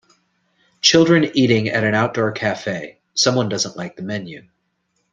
Children eating at a outdoor cafe someone does n't like the menu.